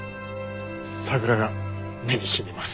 桜が目にしみます。